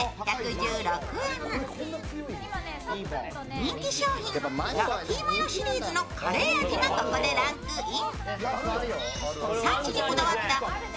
人気商品、ラッキーマヨシリーズのカレー味がここでランクイン。